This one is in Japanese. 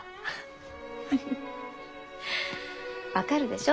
分かるでしょ？